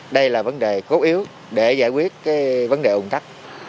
đây là vấn đề cốt yếu để giải quyết vấn đề ủng tắc